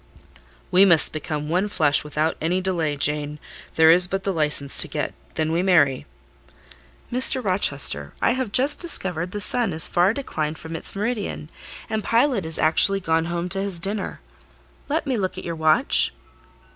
"We must become one flesh without any delay, Jane: there is but the licence to get—then we marry." "Mr. Rochester, I have just discovered the sun is far declined from its meridian, and Pilot is actually gone home to his dinner. Let me look at your watch."